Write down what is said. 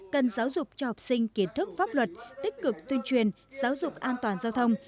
cần giáo dục cho học sinh kiến thức pháp luật tích cực tuyên truyền giáo dục an toàn giao thông